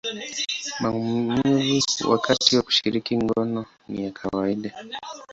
maumivu wakati wa kushiriki ngono ni ya kawaida.